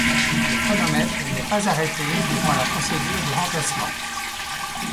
Le chronomètre n’est pas arrêté durant la procédure de remplacement.